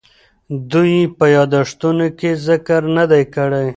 دوی یې په یادښتونو کې ذکر نه دی کړی.